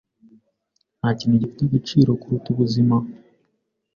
Ntakintu gifite agaciro kuruta ubuzima.